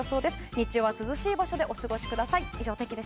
日中は涼しい場所でお過ごしください。